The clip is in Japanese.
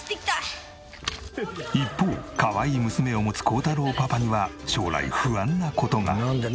一方かわいい娘を持つ耕太郎パパには将来不安な事が。